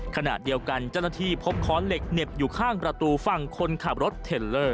ขณะเดียวกันเจ้าหน้าที่พบค้อนเหล็กเหน็บอยู่ข้างประตูฝั่งคนขับรถเทลเลอร์